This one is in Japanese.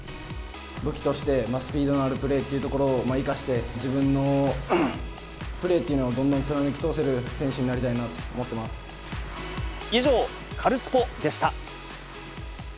武器として、スピードのあるプレーというところを生かして、自分のプレーというのをどんどん貫き通せる選手になりたいなと思以上、カルスポっ！でした。